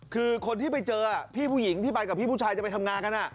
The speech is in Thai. คือคนที่ไปเจอพี่ผู้หญิงที่ไปกับพี่ผู้ชายจะไปทำงานกัน